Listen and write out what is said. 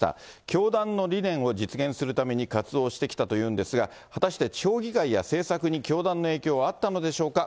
教団の理念を実現するために活動してきたんというんですが、果たして地方議会や政策に教団の影響はあったのでしょうか。